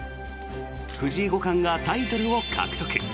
藤井五冠がタイトルを獲得。